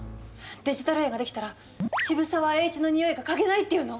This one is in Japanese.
デジタル円ができたら渋沢栄一の匂いが嗅げないっていうの？